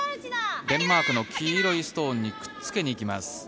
デンマークの黄色いストーンにくっつけにいきます。